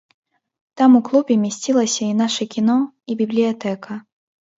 Там у клубе месцілася і наша кіно, і бібліятэка.